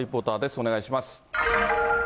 お願いします。